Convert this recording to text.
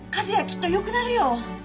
きっとよくなるよ。